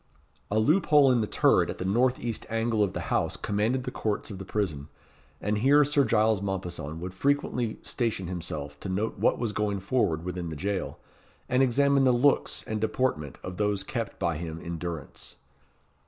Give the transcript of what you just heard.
A loop hole in the turret at the north east angle of the house commanded the courts of the prison, and here Sir Giles Mompesson would frequently station himself to note what was going forward within the jail, and examine the looks and deportment of those kept by him in durance.